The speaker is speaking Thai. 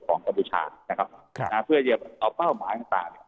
ของกระบุชาญท่านพระเจ้าคุณจะเอาเป้าหมายต่าง